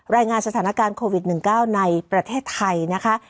รายงานสถานการณ์โควิด๑๙ในประเทศไทยนะคะ